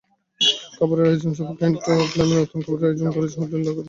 খাবারের আয়োজনসার্ফ and turf নামে নতুন খাবারের আয়োজন করেছে হোটেল ঢাকা রিজেন্সি।